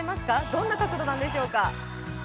どんな角度なんでしょうか。